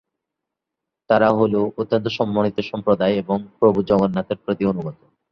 তারা হ'ল অত্যন্ত সম্মানিত সম্প্রদায় এবং প্রভু জগন্নাথের প্রতি অনুগত।